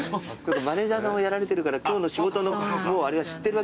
マネジャーさんをやられてるから今日の仕事のあれは知ってるわけですね。